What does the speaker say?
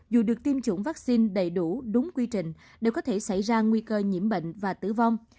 dù được tiêm chủng vaccine đầy đủ đúng quy trình đều có thể xảy ra nguy cơ nhiễm bệnh và tử vong